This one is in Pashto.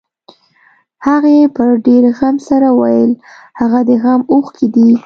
هغې په ډېر غم سره وويل هغه د غم اوښکې دي.